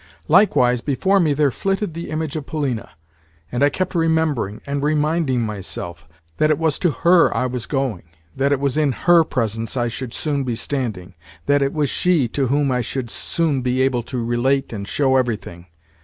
Likewise, before me there flitted the image of Polina; and I kept remembering, and reminding myself, that it was to her I was going, that it was in her presence I should soon be standing, that it was she to whom I should soon be able to relate and show everything.